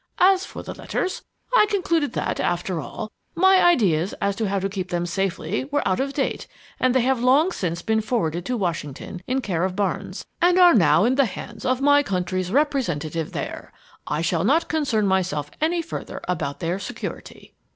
As for the letters, I concluded that, after all, my ideas as to how to keep them safely were out of date, and they have long since been forwarded to Washington, in care of Barnes, and are now in the hands of my country's representative there. I shall not concern myself any further about their security."